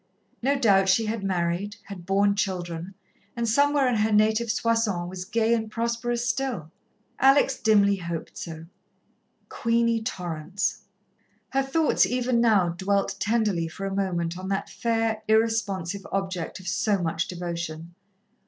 No doubt she had married, had borne children, and somewhere in her native Soissons was gay and prosperous still. Alex dimly hoped so. Queenie Torrance. Her thoughts even now dwelt tenderly for a moment on that fair, irresponsive object of so much devotion.